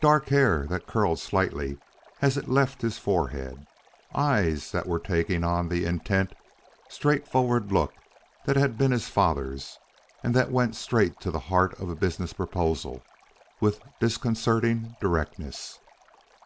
Dark hair that curled slightly as it left his forehead; eyes that were taking on the intent, straightforward look that had been his father's and that went straight to the heart of a business proposal with disconcerting directness.